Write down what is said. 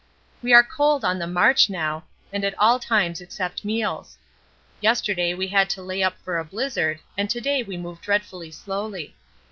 We are cold on the march now, and at all times except meals. Yesterday we had to lay up for a blizzard and to day we move dreadfully slowly.